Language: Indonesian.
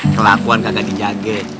kelakuan gak dijage